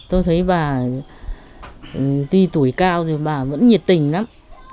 tôi thấy bà tuy tuổi cao thì bà vẫn nhiệt tình lắm